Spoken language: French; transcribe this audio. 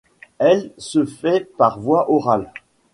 L' se fait par voie orale.